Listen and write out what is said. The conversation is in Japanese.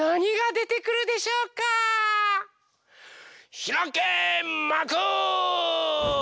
ひらけまく！